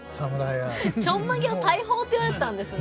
ちょんまげを大砲っていわれてたんですね。